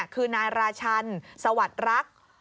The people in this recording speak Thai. คือนายราชันสวัสดิ์รัก